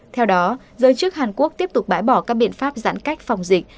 theo đó giới chức hàn quốc tiếp tục bãi bỏ các biện pháp giãn cách phòng dịch